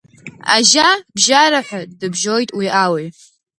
Ажьа бжьараҳәа, дыбжьоит, уи ауаҩ.